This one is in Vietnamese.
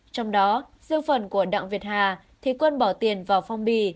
trong đó riêng phần của đặng việt hà thì quân bỏ tiền vào phong bì